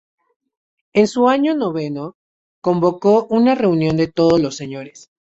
En su año noveno, convocó una reunión de todos los señores.